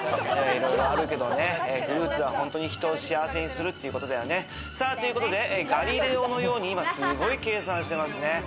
いろいろあるけどね、フルーツは本当に人を幸せにするっていうことだよね！ということでガリレオのように、すごい計算してます